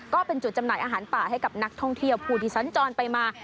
ก็เป็นจุดจำหน่ายอาหารป่าให้กับนักท่องเที่ยวผู้ที่สัญจรไปมา